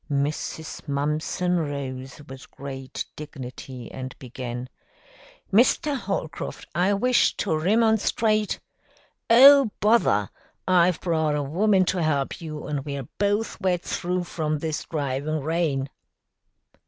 Mrs. Mumpson rose with great dignity and began, "Mr. Holcroft, I wish to remonstrate " "Oh, bother! I've brought a woman to help you, and we're both wet through from this driving rain."